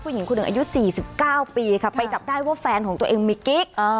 ผู้หญิงคุณอายุ๔๙ปีไปจับได้ว่าแฟนของตัวเองมีกิ๊ก